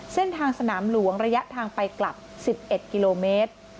เส้นทางสนามหลวงระยะทางไปกลับ๑๑กิโลเมตร